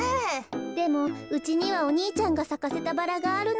でもうちにはお兄ちゃんがさかせたバラがあるのよね。